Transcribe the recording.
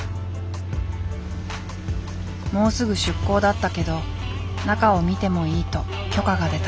もうすぐ出航だったけど中を見てもいいと許可が出た。